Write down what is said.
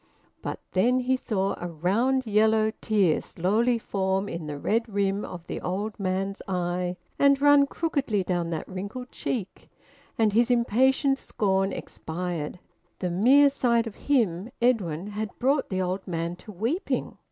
But then he saw a round yellow tear slowly form in the red rim of the old man's eye and run crookedly down that wrinkled cheek. And his impatient scorn expired. The mere sight of him, Edwin, had brought the old man to weeping!